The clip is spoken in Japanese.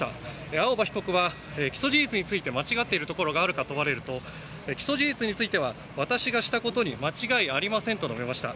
青葉被告は起訴事実について間違っているところがあるか問われると起訴事実については私がしたことに間違いありませんと述べました。